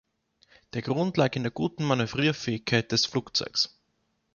Der Grund lag in der guten Manövrierfähigkeit des Flugzeugs.